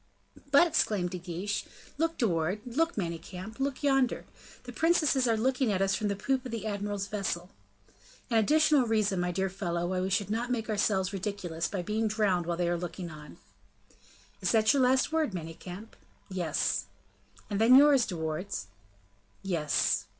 "But," exclaimed De Guiche, "look, De Wardes look, Manicamp look yonder, the princesses are looking at us from the poop of the admiral's vessel." "An additional reason, my dear fellow, why we should not make ourselves ridiculous by being drowned while they are looking on." "Is that your last word, Manicamp?" "Yes." "And then yours, De Wardes?" "Yes."